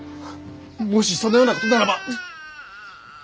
もしそのようなことならば！